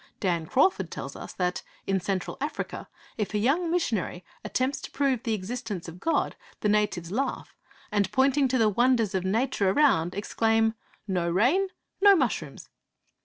Dan Crawford tells us that, in Central Africa, if a young missionary attempts to prove the existence of God, the natives laugh, and, pointing to the wonders of Nature around, exclaim, '_No rain, no mushrooms!